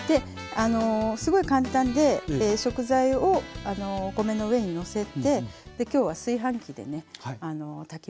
すごい簡単で食材をお米の上にのせてきょうは炊飯器でねはい。